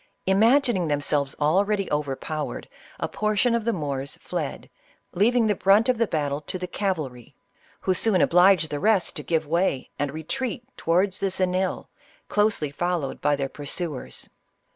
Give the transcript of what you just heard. Imagining themselves ISABELLA OF CASTILE. 98 already overpowered, a portion of the Moors fled, leav ing the brunt of the battle to the cavalry, who soon obliged the rest to give way and retreat towards the Xenil, closely followed by their pursuers.